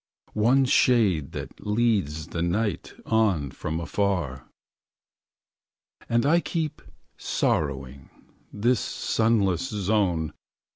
One shade that leads the night 7 On from afar. And I keep, sorrowing. This sunless zone.